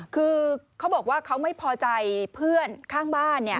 คือเขาบอกว่าเขาไม่พอใจเพื่อนข้างบ้าน